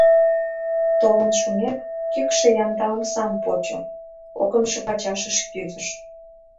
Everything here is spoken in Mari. Толын шумек, кӱкшӧ янда омсам почо, кокымшо пачашыш кӱзыш.